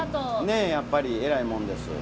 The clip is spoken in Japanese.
ねえやっぱりえらいもんです。